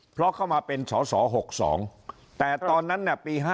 เพราะเข้ามาเป็นสอสอ๖๒แต่ตอนนั้นปี๕๗